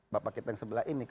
bapak kita yang sebelah ini